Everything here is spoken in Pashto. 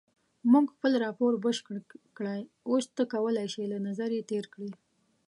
مونږ خپل راپور بشپړ کړی اوس ته کولای شې له نظر یې تېر کړې.